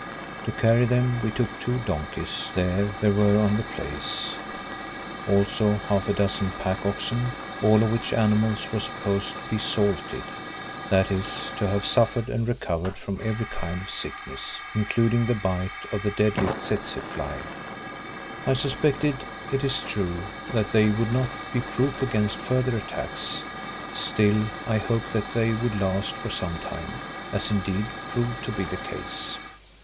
To carry them we took two donkeys there were on the place, also half a dozen pack oxen, all of which animals were supposed to be "salted"—that is, to have suffered and recovered from every kind of sickness, including the bite of the deadly tsetse fly. I suspected, it is true, that they would not be proof against further attacks, still, I hoped that they would last for some time, as indeed proved to be the case.